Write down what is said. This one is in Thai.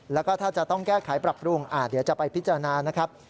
แล้วก็ถ้าจะต้องแก้ไขปรับปรุงเดี๋ยวจะไปพิจารณานะครับ